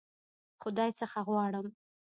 خدای څخه غواړم.